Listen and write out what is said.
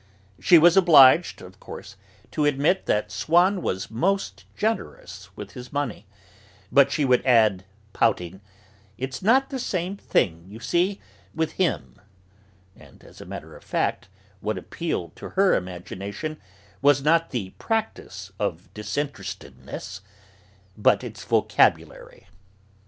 She was obliged, of course, to admit that Swann was most generous with his money, but she would add, pouting: "It's not the same thing, you see, with him," and, as a matter of fact, what appealed to her imagination was not the practice of disinterestedness, but its vocabulary.